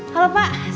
hal kan p p phe